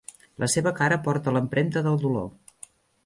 La seva cara porta l'empremta del dolor.